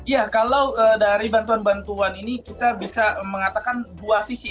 ya kalau dari bantuan bantuan ini kita bisa mengatakan dua sisi